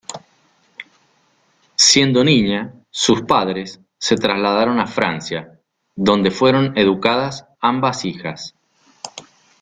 Siendo niña sus padres se trasladaron a Francia, donde fueron educadas ambas hijas.